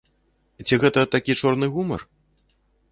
Ці гэта такі чорны гумар?